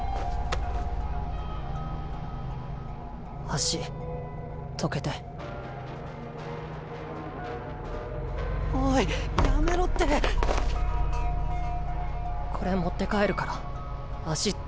足どけておいやめろってこれ持って帰るから足あっうっ！